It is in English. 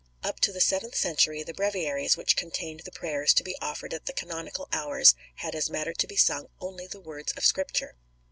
Up to the seventh century the Breviaries which contained the prayers to be offered at the canonical hours had as matter to be sung only the words of Scripture.